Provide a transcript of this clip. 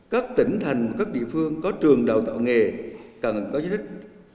các tỉnh thành các địa phương có trường đào tạo nghề cần có giới đích